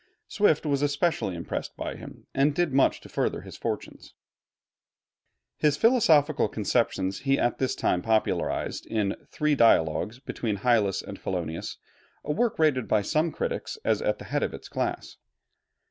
Swift was especially impressed by him, and did much to further his fortunes. His philosophical conceptions he at this time popularized in 'Three Dialogues between Hylas and Philonous,' a work rated by some critics as at the head of its class.